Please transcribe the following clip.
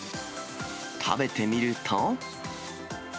食べてみると。